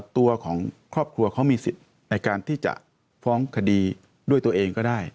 ตัวของครอบครัวเขามีสิทธิ์ในการที่จะฟ้องคดีด้วยตัวเองก็ได้